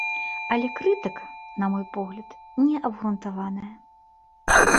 Але крытыка, на мой погляд, не абгрунтаваная.